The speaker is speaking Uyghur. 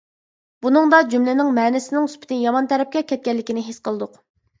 بۇنىڭدا جۈملىنىڭ مەنىسىنىڭ سۈپىتى يامان تەرەپكە كەتكەنلىكىنى ھېس قىلدۇق.